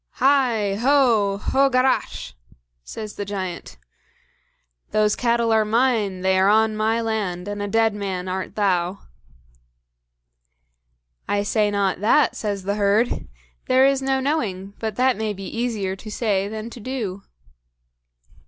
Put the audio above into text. "HI! HO!! HO GARACH!!!" says the giant. "Those cattle are mine; they are on my land, and a dead man art thou." "I say not that," says the herd; "there is no knowing, but that may be easier to say than to do."